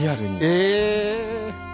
え！